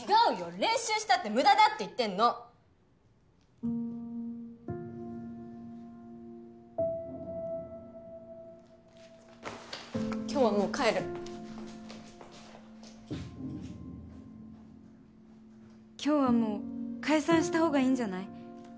練習したってむだだって言ってんの今日はもう帰る今日はもう解散したほうがいいんじゃない？